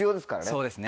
そうですね。